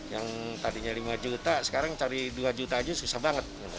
yang tadinya lima juta sekarang cari dua juta aja susah banget